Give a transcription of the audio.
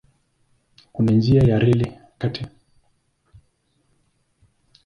Kuna njia ya reli kati ya mkoa na pwani.